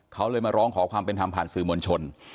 เขาเลยมาร้องขอความเป็นธรรมผ่านสื่อมวลชน